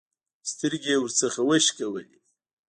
سترګې يې ورڅخه وشکولې.